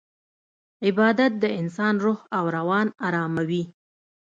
عبادت د انسان روح او روان اراموي.